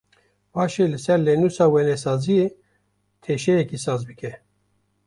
Paşê li ser lênûsa wênesaziyê teşeyekî saz bike.